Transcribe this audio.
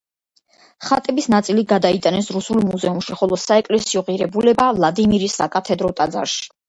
ხატების ნაწილი გადაიტანეს რუსულ მუზეუმში, ხოლო საეკლესიო ღირებულება ვლადიმირის საკათედრო ტაძარში.